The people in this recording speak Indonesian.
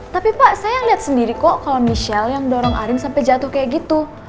tapi pak saya lihat sendiri kok kalau michelle yang dorong arin sampai jatuh kayak gitu